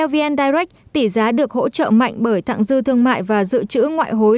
vn direct tỷ giá được hỗ trợ mạnh bởi thẳng dư thương mại và dự trữ ngoại hối